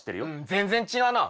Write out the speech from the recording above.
全然違うな。